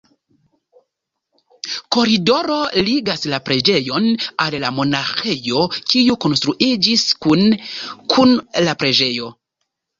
Koridoro ligas la preĝejon al la monaĥejo, kiu konstruiĝis kune kun la preĝejo.